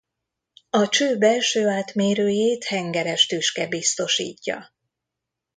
A cső belső átmérőjét hengeres tüske biztosítja.